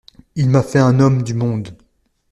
Il m'a fait un homme du monde.